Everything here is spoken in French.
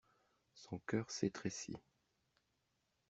Son cœur s'étrécit.